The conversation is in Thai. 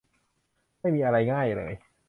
ไม่มีอะไรง่ายเลย